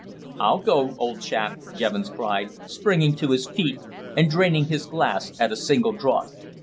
"I'll go, old chap," Jevons cried, springing to his feet, and draining his glass at a single draught.